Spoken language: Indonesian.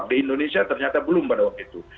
di indonesia ternyata belum pada waktu itu